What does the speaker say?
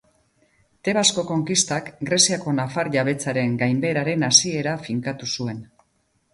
Tebasko konkistak Greziako nafar jabetzaren gainbeheraren hasiera finkatu zuen.